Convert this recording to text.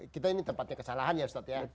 kita ini tempatnya kesalahan ya ustaz